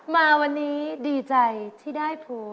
มาวันนี้ดีใจที่ได้โพล